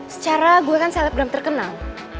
secara gue kan selebgram terkenal